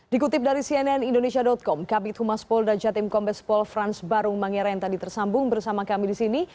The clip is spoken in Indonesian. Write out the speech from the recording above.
dikutip dari cnn indonesia com kabit humas polda jatim kombes pol frans barung mangera yang tadi tersambung bersama kami di sini